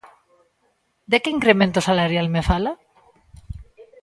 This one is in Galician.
¿De que incremento salarial me fala?